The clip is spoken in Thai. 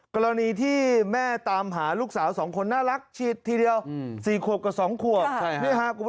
กรณีที่แม่ตามหาลูกสาว๒คนน่ารักฉีดทีเดียว๔ขวบกับ๒ขวบ